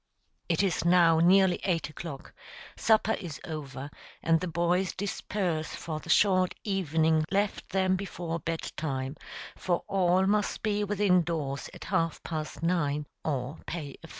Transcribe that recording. It is now nearly eight o'clock, supper is over, and the boys disperse for the short evening left them before bed time; for all must be within doors at half past nine, or pay a fine.